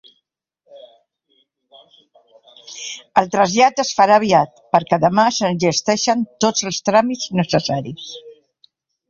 El trasllat es farà aviat perquè demà s'enllesteixen tots els tràmits necessaris.